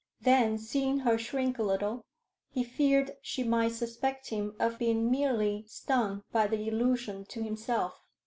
Then, seeing her shrink a little, he feared she might suspect him of being merely stung by the allusion to himself.